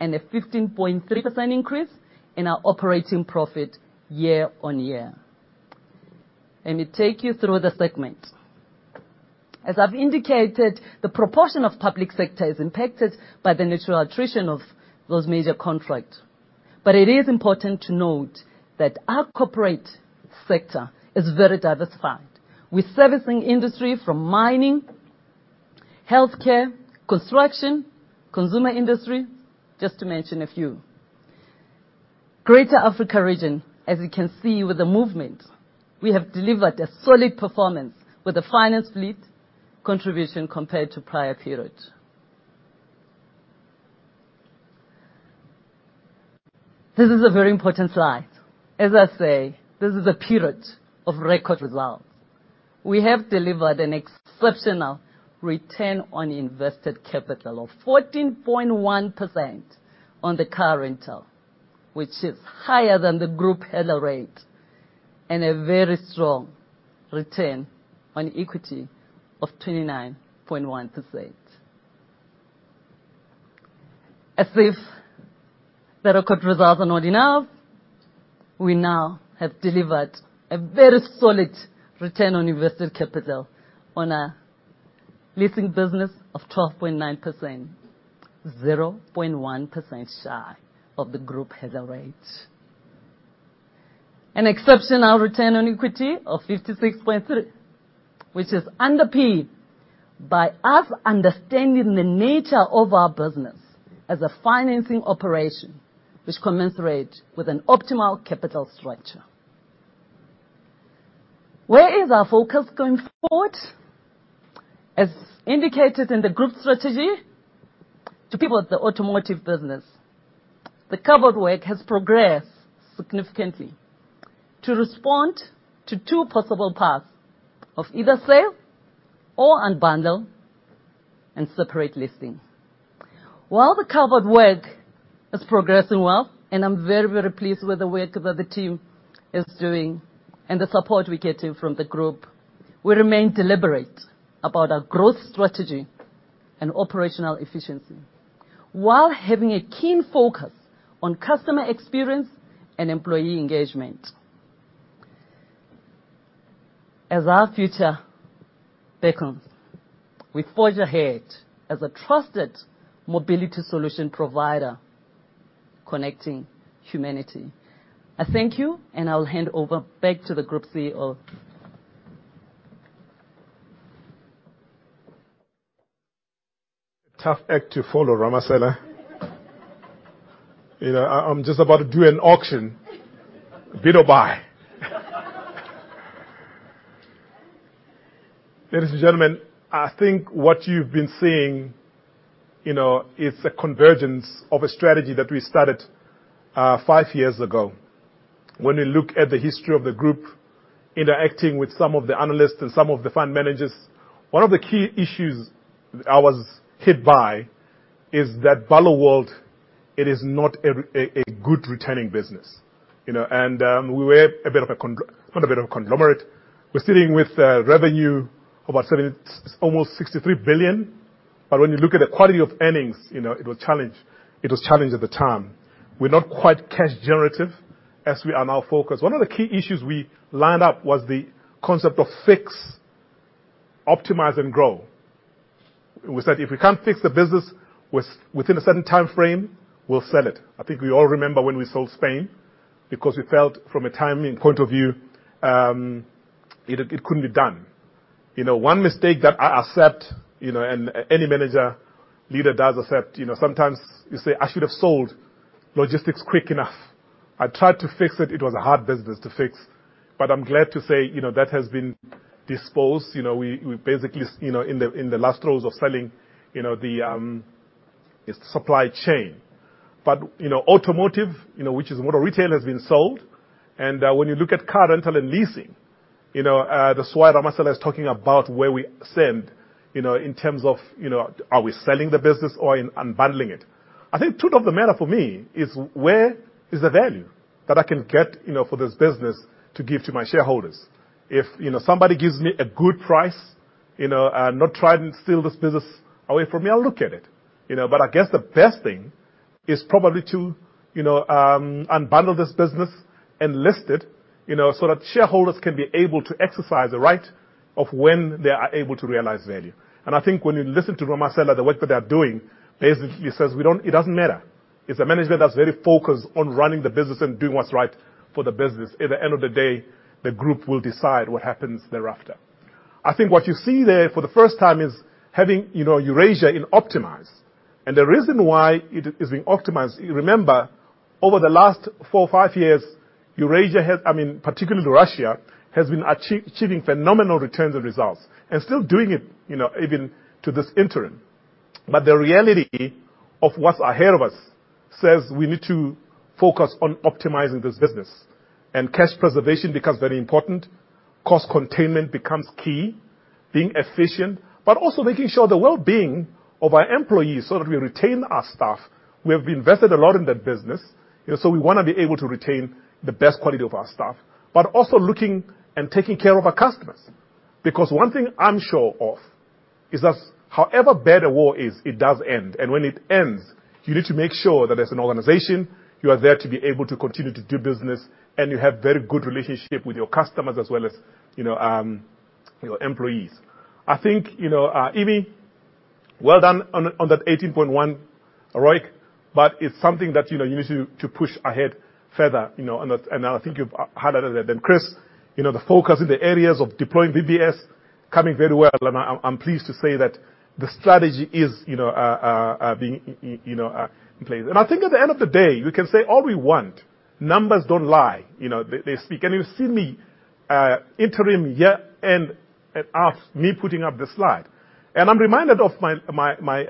Speaker 7: and a 15.3% increase in our operating profit year-on-year. Let me take you through the segment. As I've indicated, the proportion of public sector is impacted by the natural attrition of those major contracts. It is important to note that our corporate sector is very diversified. We're servicing industry from mining, healthcare, construction, consumer industry, just to mention a few. Greater Africa region, as you can see with the movement, we have delivered a solid performance with a finance fleet contribution compared to prior period. This is a very important slide. As I say, this is a period of record results. We have delivered an exceptional return on invested capital of 14.1% on the car rental, which is higher than the group hurdle rate, and a very strong return on equity of 29.1%. As if the record results are not enough, we now have delivered a very solid return on invested capital on our leasing business of 12.9%, 0.1% shy of the group hurdle rate. An exceptional return on equity of 56.3%, which is underpinned by us understanding the nature of our business as a financing operation which is commensurate with an optimal capital structure. Where is our focus going forward? As indicated in the group's strategy, to people with the automotive business. The covered work has progressed significantly to respond to two possible paths of either sale or unbundle and separate listings. While the covered work is progressing well, and I'm very, very pleased with the work that the team is doing and the support we're getting from the group, we remain deliberate about our growth strategy and operational efficiency while having a keen focus on customer experience and employee engagement. As our future beckons, we forge ahead as a trusted mobility solution provider connecting humanity. I thank you, and I'll hand over back to the Group CEO.
Speaker 2: Tough act to follow, Ramasela. You know, I'm just about to do an auction. Bid or buy. Ladies and gentlemen, I think what you've been seeing, you know, is a convergence of a strategy that we started five years ago. When you look at the history of the group, interacting with some of the analysts and some of the fund managers, one of the key issues I was hit by is that Barloworld is not a good returning business, you know? We were not a bit of a conglomerate. We're sitting with revenue of our selling almost 63 billion. When you look at the quality of earnings, you know, it was challenged. It was challenged at the time. We're not quite cash generative, as we are now focused. One of the key issues we lined up was the concept of fix, optimize, and grow. We said if we can't fix the business within a certain timeframe, we'll sell it. I think we all remember when we sold Spain, because we felt from a timing point of view, it couldn't be done. You know, one mistake that I accept, you know, and any manager, leader does accept, you know, sometimes you say, "I should have sold logistics quick enough." I tried to fix it. It was a hard business to fix. I'm glad to say, you know, that has been disposed. You know, we basically, you know, in the last throes of selling, you know, the supply chain. You know, automotive, you know, which is Motor Retail, has been sold. When you look at car rental and leasing, you know, the slide Ramasela is talking about where we stand, you know, in terms of, you know, are we selling the business or unbundling it? I think truth of the matter for me is where is the value that I can get, you know, for this business to give to my shareholders? If, you know, somebody gives me a good price, you know, I'm not trying to steal this business away from me, I'll look at it, you know? But I guess the best thing is probably to, you know, unbundle this business and list it, you know, so that shareholders can be able to exercise the right of when they are able to realize value. I think when you listen to Ramasela, the work that they're doing basically says we don't. It doesn't matter. It's the management that's very focused on running the business and doing what's right for the business. At the end of the day, the group will decide what happens thereafter. I think what you see there for the first time is having, you know, Eurasia in optimize. The reason why it is being optimized, you remember over the last four or five years, Eurasia has, I mean, particularly Russia, has been achieving phenomenal returns and results, and still doing it, you know, even to this interim. The reality of what's ahead of us says we need to focus on optimizing this business. Cash preservation becomes very important. Cost containment becomes key. Being efficient, but also making sure the well-being of our employees, so that we retain our staff. We have invested a lot in that business, you know, so we wanna be able to retain the best quality of our staff. Also looking and taking care of our customers. Because one thing I'm sure of is that however bad a war is, it does end. When it ends, you need to make sure that as an organization, you are there to be able to continue to do business, and you have very good relationship with your customers as well as, you know, your employees. I think, you know, Ebe, well done on that 18.1 ROIC, but it's something that, you know, you need to push ahead further, you know, on that. I think you've highlighted that. Chris, you know, the focus in the areas of deploying BBS coming very well, and I'm pleased to say that the strategy is, you know, being in place. I think at the end of the day, we can say all we want. Numbers don't lie. You know, they speak. You see me interim year-end putting up this slide. I'm reminded of my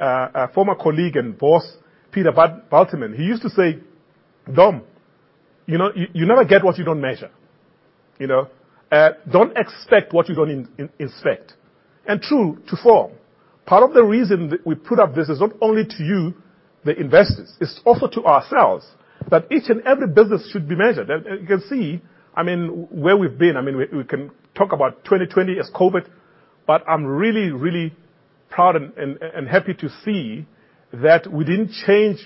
Speaker 2: former colleague and boss, Peter Bulterman. He used to say, "Dom, you know, you never get what you don't measure. You know? Don't expect what you don't inspect." True to form, part of the reason that we put up this is not only to you, the investors, it's also to ourselves, that each and every business should be measured. You can see, I mean, where we've been. I mean, we can talk about 2020 as COVID-19, but I'm really proud and happy to see that we didn't change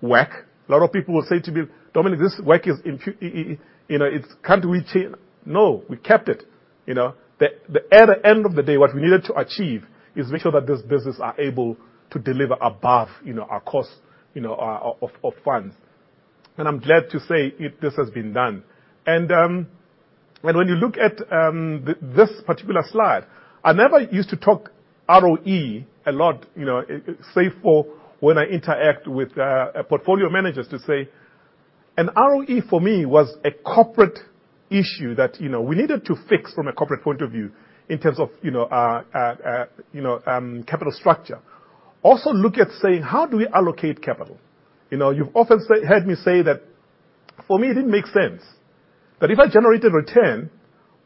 Speaker 2: WACC. A lot of people will say to me, "Dominic, this WACC is impractical, you know, it's. Can't we change?" No, we kept it, you know. At the end of the day, what we needed to achieve is make sure that this business are able to deliver above, you know, our cost of funds. I'm glad to say it, this has been done. When you look at this particular slide, I never used to talk ROE a lot, you know, except for when I interact with portfolio managers to say ROE for me was a corporate issue that, you know, we needed to fix from a corporate point of view in terms of, you know, capital structure. Also look at saying how do we allocate capital? You know, you've often heard me say that for me, it didn't make sense. That if I generated return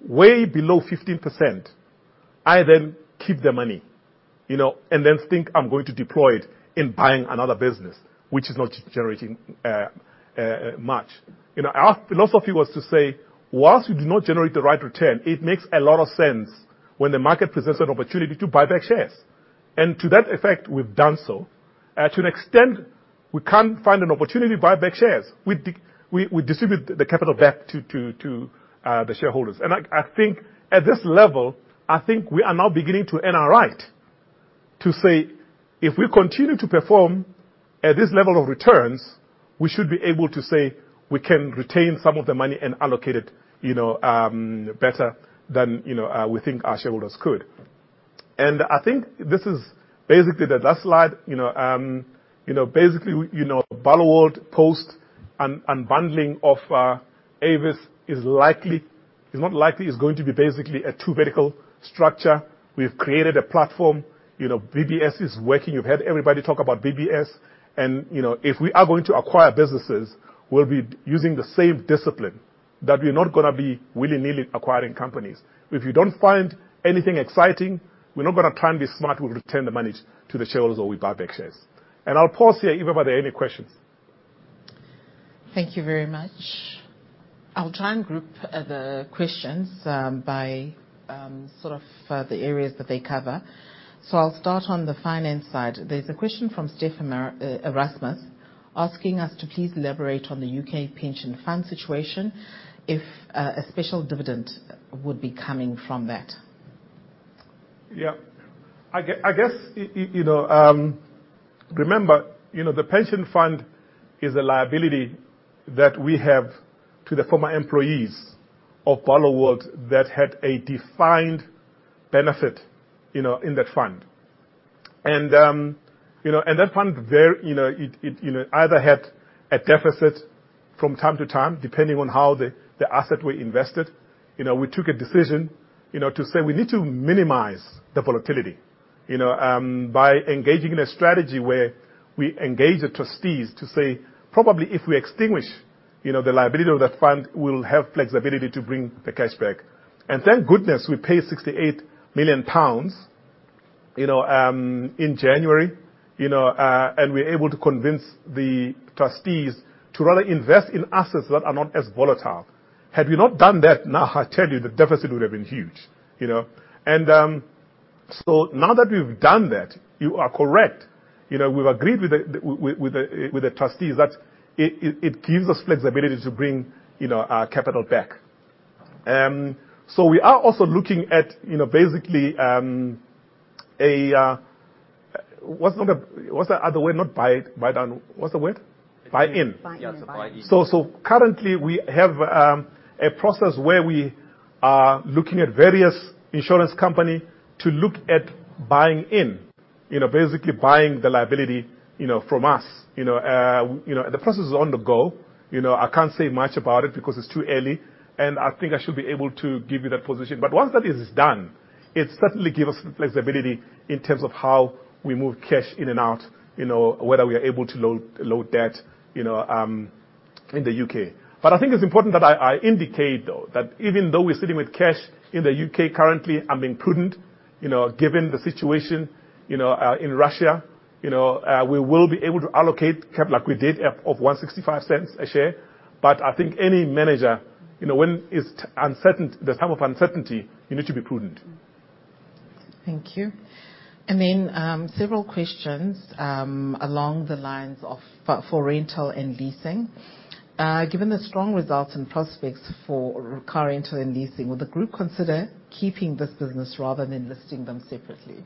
Speaker 2: way below 15%, I then keep the money, you know, and then think I'm going to deploy it in buying another business which is not generating much. You know, our philosophy was to say, while we do not generate the right return, it makes a lot of sense when the market presents an opportunity to buy back shares. To that effect, we've done so. To an extent, we can't find an opportunity to buy back shares. We distribute the capital back to the shareholders. I think at this level, I think we are now beginning to earn our right to say, if we continue to perform at this level of returns, we should be able to say we can retain some of the money and allocate it, you know, better than, you know, we think our shareholders could. I think this is basically the last slide. You know, you know, basically, you know, Barloworld post unbundling of Avis is likely. It's not likely, it's going to be basically a two vertical structure. We've created a platform, you know, BBS is working. You've heard everybody talk about BBS. You know, if we are going to acquire businesses, we'll be using the same discipline, that we're not gonna be willy-nilly acquiring companies. If you don't find anything exciting, we're not gonna try and be smart. We'll return the money to the shareholders or we buy back shares. I'll pause here if there are any questions.
Speaker 1: Thank you very much. I'll try and group the questions by sort of the areas that they cover. I'll start on the finance side. There's a question from Steve Erasmus asking us to please elaborate on the UK pension fund situation, if a special dividend would be coming from that.
Speaker 2: Yeah. I guess, you know, remember, you know, the pension fund is a liability that we have to the former employees of Barloworld that had a defined benefit, you know, in that fund. That fund, you know, it either had a deficit from time to time, depending on how the assets were invested. You know, we took a decision, you know, to say we need to minimize the volatility, you know, by engaging in a strategy where we engage the trustees to say, probably if we extinguish, you know, the liability of that fund, we'll have flexibility to bring the cash back. Thank goodness, we paid 68 million pounds, you know, in January, you know, and we're able to convince the trustees to rather invest in assets that are not as volatile. Had we not done that, now I tell you the deficit would have been huge, you know? Now that we've done that, you are correct. You know, we've agreed with the trustees that it gives us flexibility to bring, you know, our capital back. We are also looking at, you know, basically. What's the other word? Not buy it, buy down. What's the word? Buy in.
Speaker 3: Buy in. Yes, buy in.
Speaker 2: Currently, we have a process where we are looking at various insurance companies to look at buying in. You know, basically buying the liability, you know, from us. You know, the process is on the go. You know, I can't say much about it because it's too early, and I think I should be able to give you that position. Once that is done, it certainly give us flexibility in terms of how we move cash in and out, you know, whether we are able to load debt, you know, in the U.K. I think it's important that I indicate, though, that even though we're sitting with cash in the U.K. currently, being prudent, you know, given the situation, you know, in Russia, you know, we will be able to allocate CapEx like we did of 1.65 a share. I think any manager, you know, when it's uncertain, the time of uncertainty, you need to be prudent.
Speaker 1: Thank you. Several questions along the lines of for rental and leasing. Given the strong results and prospects for car rental and leasing, would the group consider keeping this business rather than listing them separately?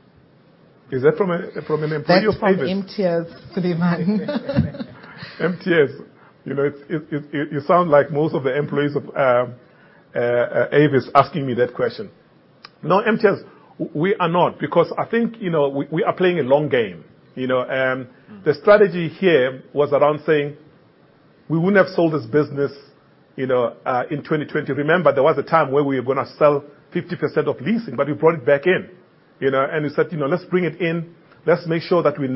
Speaker 2: Is that from an employee of Avis?
Speaker 1: That's from MTS.
Speaker 2: MTS. You know, it sounds like most of the employees of Avis asking me that question. No, MTS, we are not, because I think, you know, we are playing a long game, you know. The strategy here was around saying, we wouldn't have sold this business, you know, in 2020. Remember, there was a time where we were gonna sell 50% of leasing, but we brought it back in. You know, we said, "You know, let's bring it in. Let's make sure that we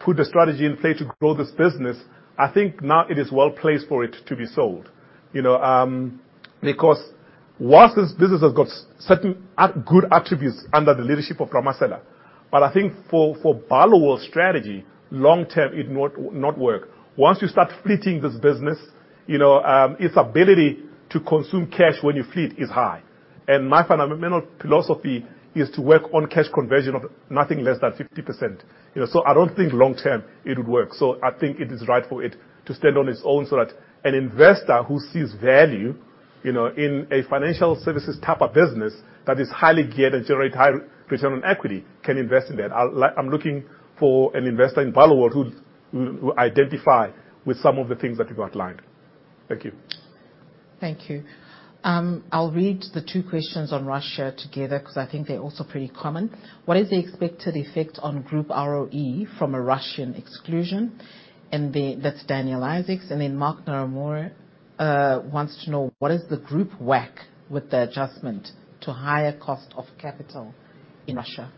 Speaker 2: put the strategy in play to grow this business." I think now it is well-placed for it to be sold. You know, because while this business has got certain good attributes under the leadership of Ramasela, but I think for Barloworld's strategy, long term, it doesn't work. Once you start fleet this business, you know, its ability to consume cash when you fleet is high. My fundamental philosophy is to work on cash conversion of nothing less than 50%. You know, I don't think long term it would work. I think it is right for it to stand on its own, so that an investor who sees value, you know, in a financial services type of business that is highly geared and generate high return on equity can invest in that. I'm looking for an investor in Barloworld who identify with some of the things that we've outlined. Thank you.
Speaker 1: Thank you. I'll read the two questions on Russia together 'cause I think they're also pretty common. What is the expected effect on group ROE from a Russian exclusion? That's Daniel Isaacs. Mark wants to know, what is the group WACC with the adjustment to higher cost of capital in Russia?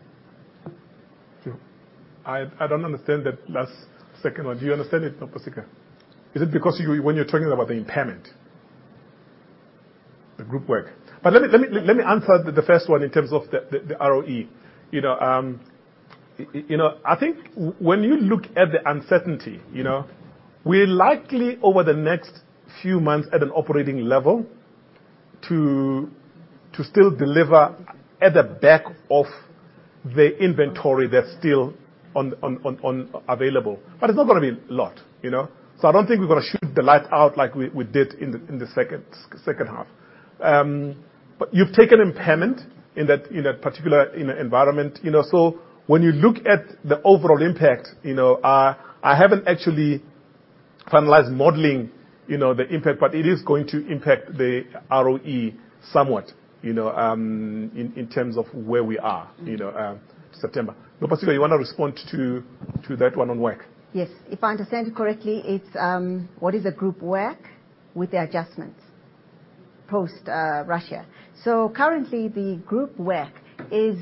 Speaker 2: Sure. I don't understand that last second one. Do you understand it, Nopasika? Is it because when you're talking about the impairment? The group WACC. Let me answer the first one in terms of the ROE. You know, I think when you look at the uncertainty, you know, we're likely over the next few months at an operating level to still deliver at the back of the inventory that's still available. It's not gonna be a lot, you know? I don't think we're gonna shoot the lights out like we did in the second half. You've taken impairment in that particular environment, you know. When you look at the overall impact, you know, I haven't actually finalized modeling, you know, the impact, but it is going to impact the ROE somewhat, you know, in terms of where we are.
Speaker 1: Mm.
Speaker 2: You know, September. Nopasika, you wanna respond to that one on WACC?
Speaker 3: Yes. If I understand correctly, it's what is the group WACC with the adjustments post Russia. Currently the group WACC is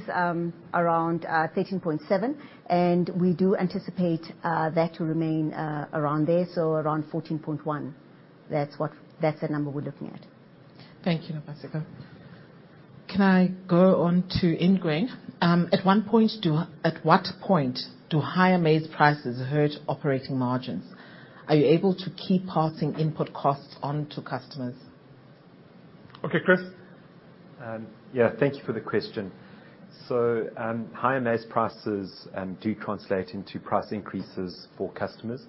Speaker 3: around 13.7%, and we do anticipate that to remain around there, so around 14.1%. That's the number we're looking at.
Speaker 1: Thank you, Nopasika. Can I go on to Ingrain? At what point do higher maize prices hurt operating margins? Are you able to keep passing input costs on to customers?
Speaker 2: Okay, Chris.
Speaker 6: Yeah, thank you for the question. Higher maize prices do translate into price increases for customers.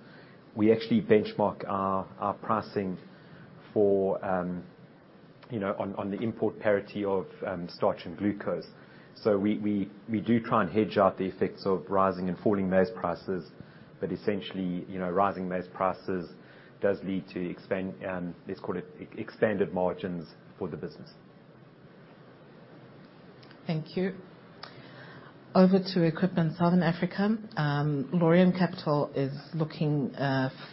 Speaker 6: We actually benchmark our pricing for, you know, on the import parity of starch and glucose. We do try and hedge out the effects of rising and falling maize prices. Essentially, you know, rising maize prices does lead to, let's call it, expanded margins for the business.
Speaker 1: Thank you. Over to Equipment Southern Africa. Laurium Capital is looking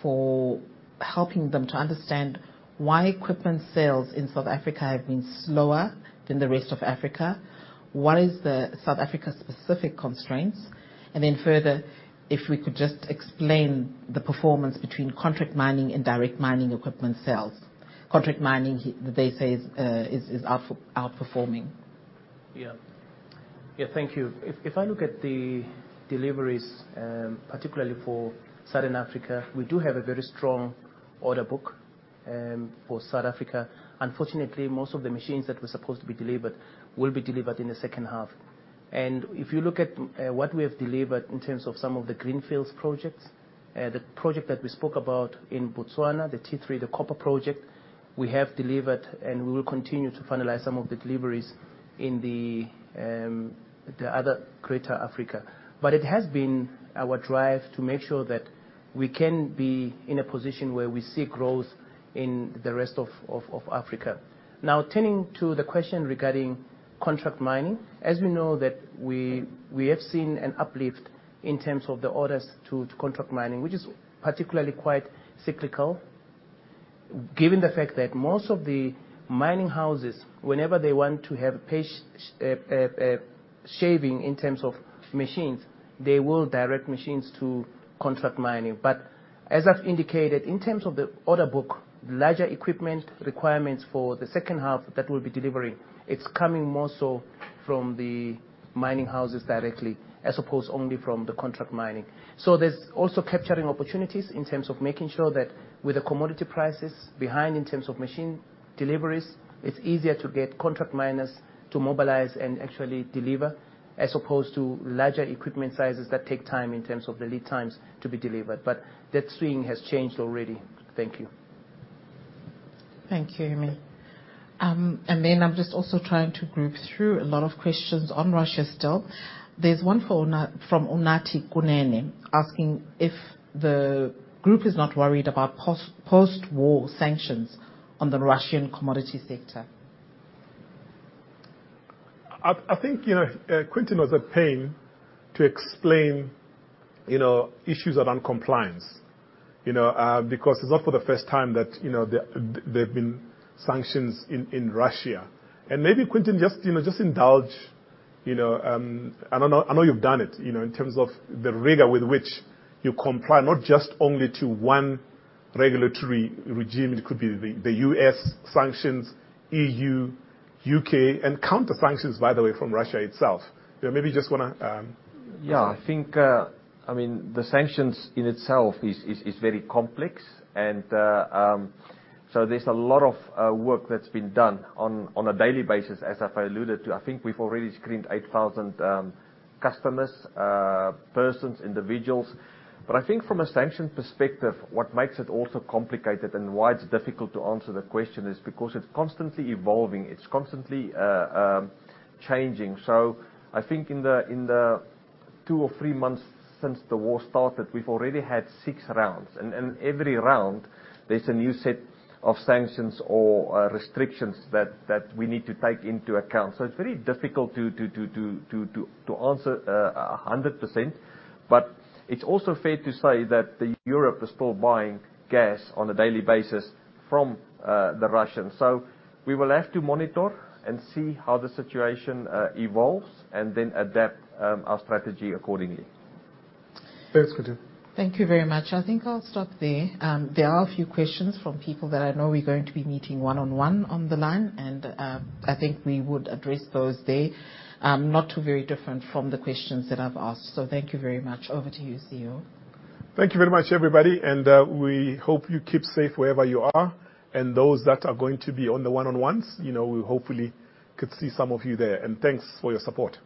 Speaker 1: for helping them to understand why equipment sales in South Africa have been slower than the rest of Africa. What is the South Africa-specific constraints? Then further, if we could just explain the performance between contract mining and direct mining equipment sales. Contract mining they say is outperforming.
Speaker 4: Yeah. Yeah, thank you. If I look at the deliveries, particularly for Southern Africa, we do have a very strong order book for South Africa. Unfortunately, most of the machines that were supposed to be delivered will be delivered in the second half. If you look at what we have delivered in terms of some of the greenfield projects, the project that we spoke about in Botswana, the T3, the copper project, we have delivered and we will continue to finalize some of the deliveries in the other greater Africa. It has been our drive to make sure that we can be in a position where we see growth in the rest of Africa. Now turning to the question regarding contract mining. As we know, we have seen an uplift in terms of the orders to contract mining, which is particularly quite cyclical. Given the fact that most of the mining houses, whenever they want to have a CapEx shaving in terms of machines, they will direct machines to contract mining. As I've indicated, in terms of the order book, larger equipment requirements for the second half that we'll be delivering, it's coming more so from the mining houses directly, as opposed only from the contract mining. We're also capturing opportunities in terms of making sure that with the commodity prices being high in terms of machine deliveries, it's easier to get contract miners to mobilize and actually deliver as opposed to larger equipment sizes that take time in terms of the lead times to be delivered. That swing has changed already. Thank you.
Speaker 1: Thank you, Emmy. I'm just also trying to go through a lot of questions on Russia still. There's one from Unathi Kunene asking if the group is not worried about post-war sanctions on the Russian commodity sector.
Speaker 2: I think, you know, Quinton was at pains to explain, you know, issues around compliance. You know, because it's not for the first time that, you know, there've been sanctions in Russia. Maybe Quinton just, you know, just indulge, you know, I know you've done it, you know, in terms of the rigor with which you comply, not just only to one regulatory regime. It could be the U.S. sanctions, EU, U.K., and counter sanctions by the way from Russia itself. You know, maybe just wanna.
Speaker 5: Yeah. I think, I mean, the sanctions in itself is very complex and, so there's a lot of work that's been done on a daily basis. As I've alluded to, I think we've already screened 8,000 customers, persons, individuals. I think from a sanctions perspective, what makes it also complicated and why it's difficult to answer the question is because it's constantly evolving. It's constantly changing. I think in the two or three months since the war started, we've already had six rounds. Every round there's a new set of sanctions or restrictions that we need to take into account. It's very difficult to answer 100%. It's also fair to say that Europe is still buying gas on a daily basis from the Russians. We will have to monitor and see how the situation evolves and then adapt our strategy accordingly.
Speaker 2: Thanks, Quinton.
Speaker 1: Thank you very much. I think I'll stop there. There are a few questions from people that I know we're going to be meeting one-on-one on the line, and, I think we would address those there. Not too very different from the questions that I've asked. Thank you very much. Over to you, CEO.
Speaker 2: Thank you very much, everybody. We hope you keep safe wherever you are. Those that are going to be on the one-on-ones, you know, we hopefully could see some of you there. Thanks for your support.